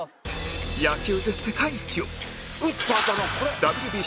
野球で世界一を